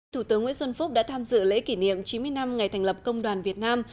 thủ tướng nguyễn xuân phúc đã tham dự lễ kỷ niệm chín mươi năm ngày thành lập công đoàn việt nam